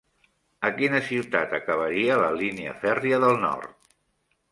A quina ciutat acabaria la línia fèrria del nord?